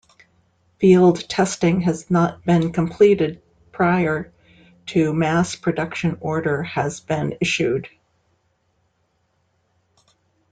Field testing has not been completed prior to mass production order has been issued.